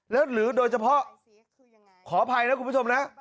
แล้วหรือโดยเฉพาะขออภัยนะคุณผู้ชมนะ